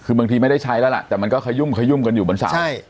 คือบางทีไม่ได้ใช้แล้วล่ะแต่มันก็ขยุ่มขยุ่มกันอยู่บนสระ